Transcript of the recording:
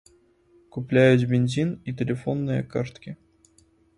Купляюць бензін і тэлефонныя карткі.